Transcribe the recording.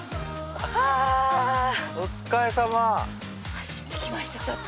走ってきましたちょっと。